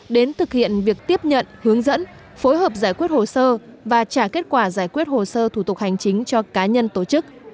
đến thực hiện việc tiếp nhận hướng dẫn phối hợp giải quyết hồ sơ và trả kết quả giải quyết hồ sơ thủ tục hành chính cho cá nhân tổ chức